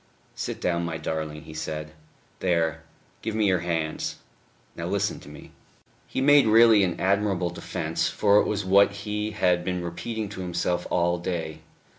"Sit down, my darling," he said. "There ... give me your hands. Now listen to me." He made really an admirable defence, for it was what he had been repeating to himself all day.